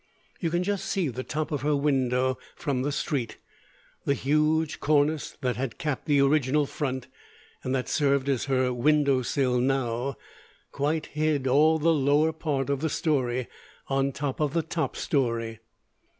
You could just see the top of her window from the street the huge cornice that had capped the original front, and that served as her window sill now, quite hid all the lower part of the story on top of the top story.